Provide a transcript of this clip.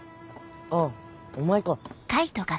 あっお前か。